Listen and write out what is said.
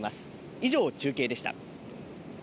以上、中継でした。